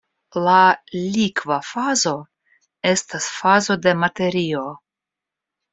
La "likva fazo" estas fazo de materio.